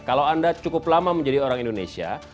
kalau anda cukup lama menjadi orang indonesia